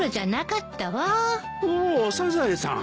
おおサザエさん。